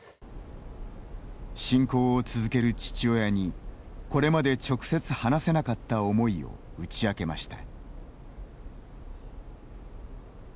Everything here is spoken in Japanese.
信仰を続ける父親にこれまで直接話せなかった思いを打ち明けました。